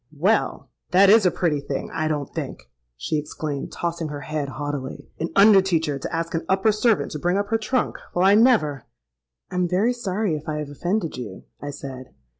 'Well! that is a pretty thing, I don't think!' she exclaimed, tossing her head haughtily: 'an under teacher to ask an upper servant to bring up her trunk! Well—I never!'—'I am very sorry if I have offended you,' I said.